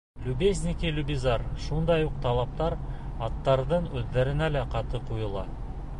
Любезники-любизар, Шундай уҡ талаптар аттарҙың үҙҙәренә лә ҡаты ҡуйыла.